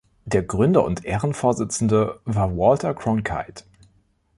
Der Gründer und Ehrenvorsitzende war Walter Cronkite.